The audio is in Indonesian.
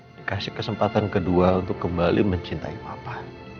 dikasih kesempatan kedua untuk kembali mencintai papa